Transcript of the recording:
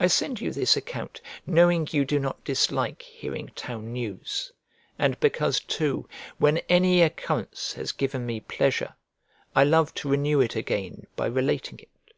I send you this account, knowing you do not dislike hearing town news, and because, too, when any occurrence has given me pleasure, I love to renew it again by relating it.